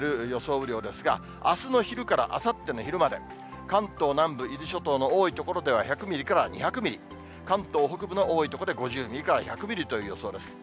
雨量ですが、あすの昼からあさっての昼まで、関東南部、伊豆諸島の多い所では、１００ミリから２００ミリ、関東北部の多い所で５０ミリから１００ミリという予想です。